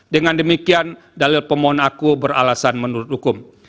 dengan demikian dalil pemohon aku beralasan menurut hukum